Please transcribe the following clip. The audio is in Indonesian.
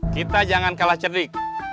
kita jangan kalah cerdik